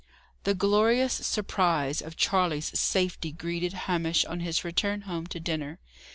The glorious surprise of Charley's safety greeted Hamish on his return home to dinner.